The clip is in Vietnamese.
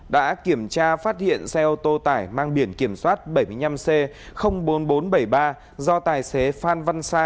đã kiểm tra phát hiện xe ô tô tải mang biển kiểm soát bảy mươi năm c bốn nghìn bốn trăm bảy mươi ba do tài xế phan văn sa